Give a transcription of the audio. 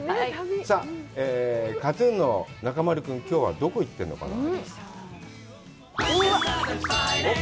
さあ、ＫＡＴ−ＴＵＮの中丸君、きょうはどこに行ってるのかな？